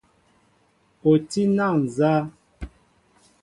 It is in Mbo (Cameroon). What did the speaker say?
O tí na nzá ?